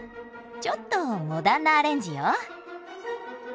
ちょっとモダンなアレンジよ。